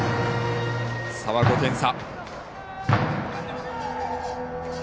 差は５点差。